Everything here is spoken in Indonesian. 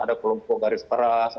ada kelompok baris peras